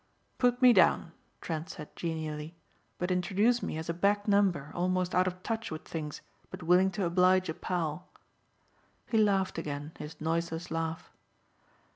"Put me down," Trent said genially, "but introduce me as a back number almost out of touch with things but willing to oblige a pal." He laughed again his noiseless laugh.